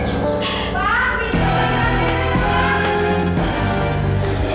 pak kita harus habis